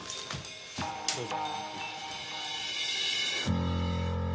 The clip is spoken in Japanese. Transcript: どうぞ。